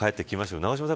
永島さん